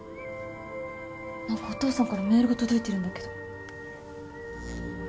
何かお父さんからメールが届いてるんだけど。